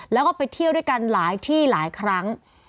แล้วก็ไปเที่ยวด้วยกันหลายที่หลายครั้ง